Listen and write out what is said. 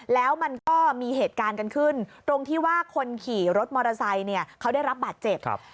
แล้วมันก็มีเหตุการณ์กันขึ้นตรงที่ว่าคนขี่รถมอเตอร์ไซค์เนี่ยเขาได้รับบาดเจ็บ